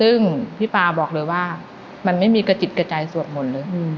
ซึ่งพี่ปาบอกเลยว่ามันไม่มีกระจิตกระจายสวดมนต์เลย